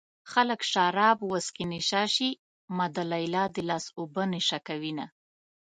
خلک شراب وڅښي نشه شي ما د ليلا د لاس اوبه نشه کوينه